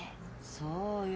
そうよ。